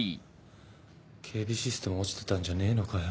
警備システム落ちてたんじゃねえのかよ。